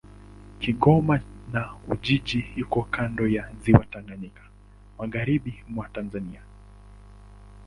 Kigoma na Ujiji iko kando ya Ziwa Tanganyika, magharibi mwa Tanzania.